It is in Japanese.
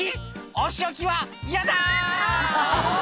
お仕置きは嫌だ！」